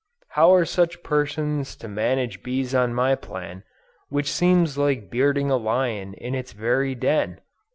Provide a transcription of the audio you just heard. How are such persons to manage bees on my plan, which seems like bearding a lion in its very den!